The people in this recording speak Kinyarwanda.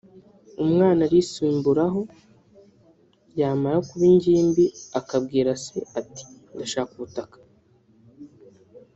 umwana arisumburaho yamara kuba ingimbi akabwira ise ati ndashaka ubutaka…